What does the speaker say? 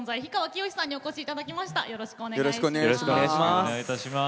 よろしくお願いします。